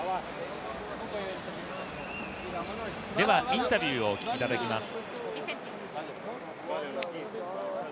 インタビューをお聞きいただきます。